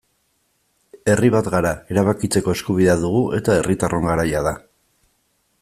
Herri bat gara, erabakitzeko eskubidea dugu eta herritarron garaia da.